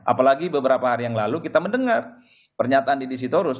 apalagi beberapa hari yang lalu kita mendengar pernyataan didi sitorus